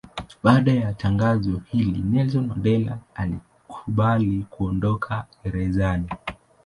Baada ya tangazo hili Nelson Mandela alikubali kuondoka gerezani.